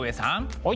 はい。